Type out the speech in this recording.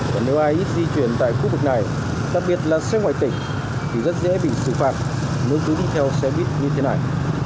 còn nếu ai ít di chuyển tại khu vực này đặc biệt là xe ngoại tỉnh thì rất dễ bị xử phạt nếu cứ đi theo xe buýt như thế này